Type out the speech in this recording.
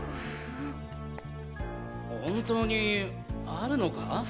本当にあるのか？